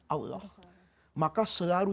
allah maka selalu